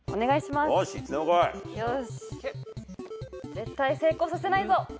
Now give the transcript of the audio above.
絶対成功させないぞ！